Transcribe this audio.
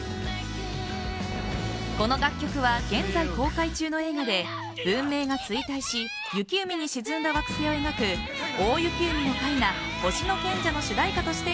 この楽曲は現在公開中の映画で文明が衰退し雪海に沈んだ惑星を描く「大雪海のカイナほしのけんじゃ」の主題歌として